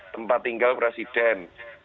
tempat tinggal presiden